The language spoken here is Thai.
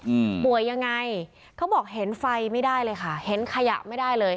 อืมป่วยยังไงเขาบอกเห็นไฟไม่ได้เลยค่ะเห็นขยะไม่ได้เลย